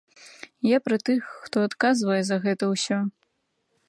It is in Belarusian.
Я пра тых, хто адказвае за гэта ўсё.